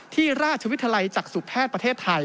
ที่ราชวิทยาลัยจักษุแพทย์ประเทศไทย